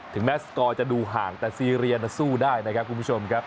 ถึงแม้สกอร์จะดูห่างแต่ซีเรียสู้ได้นะครับคุณผู้ชมครับ